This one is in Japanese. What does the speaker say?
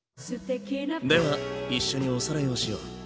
では一緒におさらいをしよう。